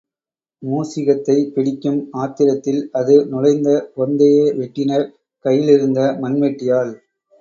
மூஷிகத்தைப் பிடிக்கும் ஆத்திரத்தில் அது நுழைந்த பொந்தையே வெட்டினர் கையிலிருந்த மண்வெட்டியால்.